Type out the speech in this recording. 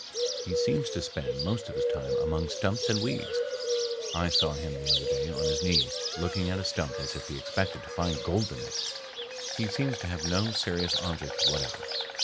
"He seems to spend most of his time among stumps and weeds. I saw him the other day on his knees, looking at a stump as if he expected to find gold in it. He seems to have no serious object whatever."